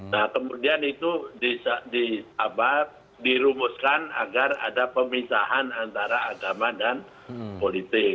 nah kemudian itu dirumuskan agar ada pemisahan antara agama dan politik